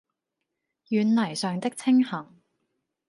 軟泥上的青荇